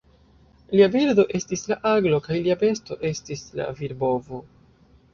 Lia birdo estis la aglo, kaj lia besto estis la virbovo.